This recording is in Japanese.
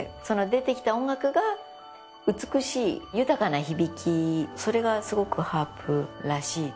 その出てきた音楽が美しい豊かな響きそれがすごくハープらしいと思いますね。